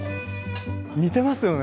似てますよね！